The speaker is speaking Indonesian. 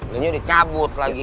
nanti udah cabut lagi